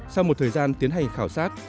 sau một thời gian tiến hành khảo sát